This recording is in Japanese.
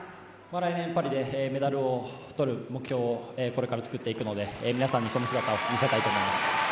来年パリでメダルを取る目標をこれから作っていくので皆さんにその姿を見せたいと思います。